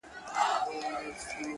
• ستوري ډېوه سي ؛هوا خوره سي؛